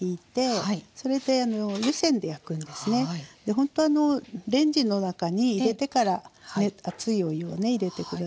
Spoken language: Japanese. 本当はレンジの中に入れてからね熱いお湯をね入れて下さい。